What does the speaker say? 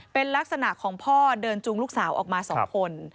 เป็นลักษณะของพ่อเดินจูงลูกสาวออกมา๒คน